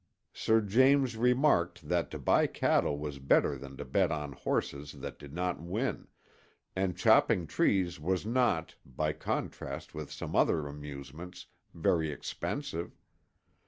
Sir James remarked that to buy cattle was better than to bet on horses that did not win, and chopping trees was not, by contrast with some other amusements, very expensive.